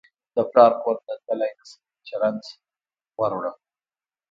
د پلار کور ته تللای نشم چې رنځ وروړم